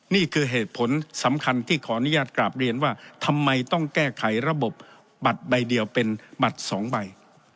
นี่คือเหตุผลสำคัญที่ขออนุญาตกราบเรียนว่าทำไมต้องแก้ไขระบบบัตรใบเดียวเป็นบัตร๒ใบ